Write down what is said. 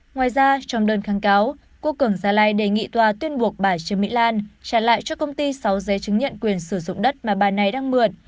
ngoài ra trong đơn kháng cáo quốc cường gia lai đề nghị tòa tuyên buộc bà trương mỹ lan trả lại cho công ty sáu giấy chứng nhận quyền sử dụng đất mà bà này đang mượn